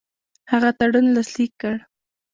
هغه تړون لاسلیک کړ.